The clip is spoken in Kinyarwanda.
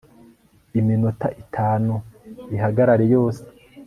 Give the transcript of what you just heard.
Iminota itanu ihagarare yose